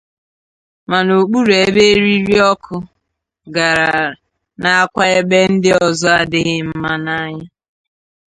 ma n'okpuru ebe eriri ọkụ gara nakwa ebe ndị ọzọ adịghị mma n'anya